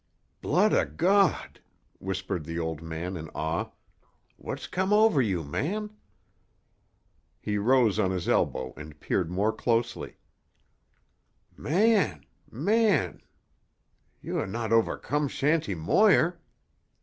"Blood o' God!" whispered the old man in awe. "What's come over you, man?" He rose on his elbow and peered more closely. "Man—man—you ha' not overcome Shanty Moir?